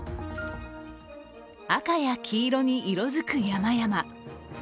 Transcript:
赤や黄色に色づく山々。